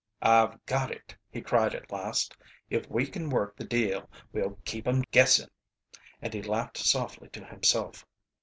"I've got it," he cried at last. "If we kin work the deal we'll keep 'em guessing." And he laughed softly to himself.